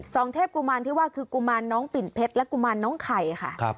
เทพกุมารที่ว่าคือกุมารน้องปิ่นเพชรและกุมารน้องไข่ค่ะ